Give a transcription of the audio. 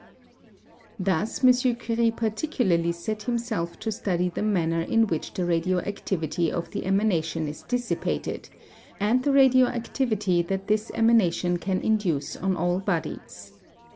Thus M. Curie particularly set himself to study the manner in which the radioactivity of the emanation is dissipated, and the radioactivity that this emanation can induce on all bodies.